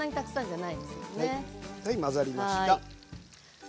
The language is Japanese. はい混ざりました。